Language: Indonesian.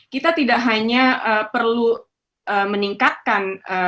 kita tidak hanya perlu meningkatkan